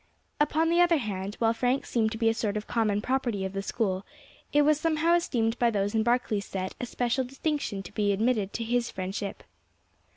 Upon the other hand, while Frank seemed to be a sort of common property of the School, it was somehow esteemed by those in Barkley's set a special distinction to be admitted to his friendship.